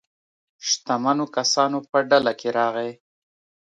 شتمنو کسانو په ډله کې راغی.